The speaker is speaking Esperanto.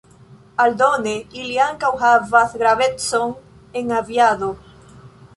Aldone ili ankaŭ havas gravecon en aviado.